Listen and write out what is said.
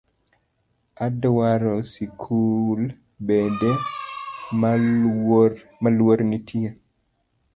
Adwaro sikul bende maluor nitie